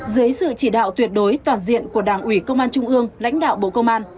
dưới sự chỉ đạo tuyệt đối toàn diện của đảng ủy công an trung ương lãnh đạo bộ công an